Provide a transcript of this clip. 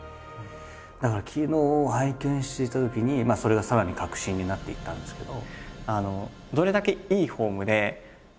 だから昨日拝見していたときにそれがさらに確信になっていったんですけど。